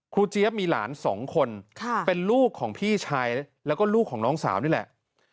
เจี๊ยบมีหลาน๒คนเป็นลูกของพี่ชายแล้วก็ลูกของน้องสาวนี่แหละ